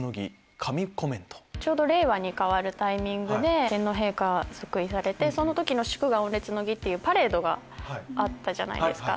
令和に変わるタイミングで天皇陛下即位されてその時祝賀御列の儀っていうパレードがあったじゃないですか。